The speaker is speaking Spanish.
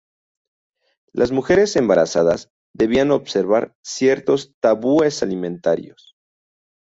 Las mujeres embarazadas debían observar ciertos tabúes alimentarios.